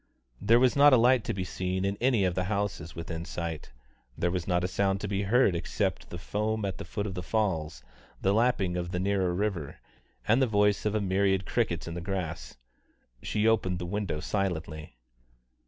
There was not a light to be seen in any of the houses within sight, there was not a sound to be heard except the foam at the foot of the falls, the lapping of the nearer river, and the voice of a myriad crickets in the grass. She opened the window silently.